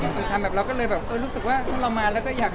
สำคัญแก่เราก็เลยรู้สึกว่าเค้ามีใครมาร้องเพลงกับเราเลย